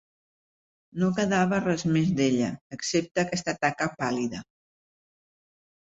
No quedava res més d'ella, excepte aquesta taca pàl.lida.